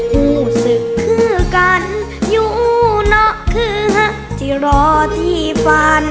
ผู้ศึกคือกันอยู่เนาะเครือที่รอที่ฝัน